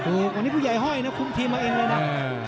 วันนี้ผู้ใหญ่ห้อยนะคุมทีมมาเองเลยนะ